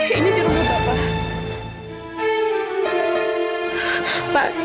ini di rumah bapak